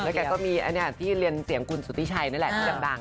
แกก็มีอันนี้ที่เรียนเสียงคุณสุธิชัยนั่นแหละที่ดัง